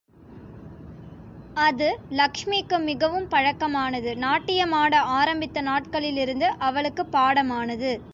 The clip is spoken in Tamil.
அது லக்ஷ்மிக்கு மிகவும் பழக்கமானது நாட்டியமாட ஆரம்பித்த நாட்களிலிருந்து அவளுக்குப் பாடமானது.